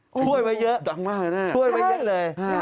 ช่วยไว้เยอะช่วยไว้เยอะเลย